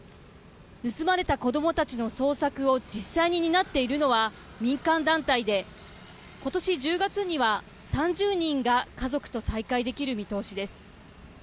盗まれた子どもたちの捜索を実際に担っているのは民間団体で、ことし１０月には３０人が家族と再会できる見通しです。